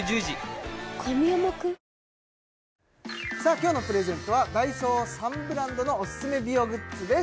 今日のプレゼントはＤＡＩＳＯ３ブランドのおすすめ美容グッズです